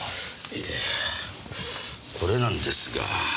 いやこれなんですが。